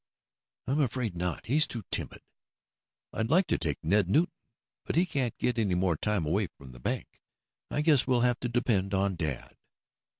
"I'm afraid not. He's too timid." "I'd like to take Ned Newton, but he can't get any more time away from the bank. I guess we'll have to depend on dad."